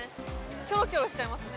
キョロキョロしちゃいますね